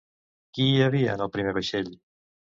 Qui hi havia en el primer vaixell?